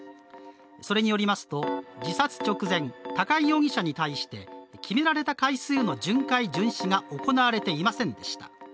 それによりますと、自殺直前高井容疑者に対して決められた回数の巡回・巡視が行われていませんでした。